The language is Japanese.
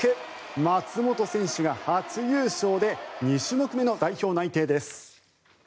松元選手が初優勝で２種目目の代表内定です。